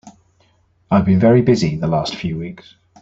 I've been very busy the last few weeks.